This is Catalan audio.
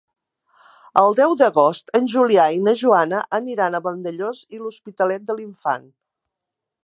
El deu d'agost en Julià i na Joana aniran a Vandellòs i l'Hospitalet de l'Infant.